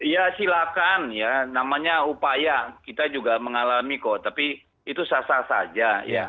ya silakan ya namanya upaya kita juga mengalami kok tapi itu sah sah saja ya